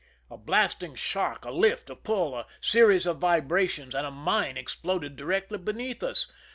A blasting shock, a lift, a pull, a series of vibrations, and a mine exploded directly beneath us.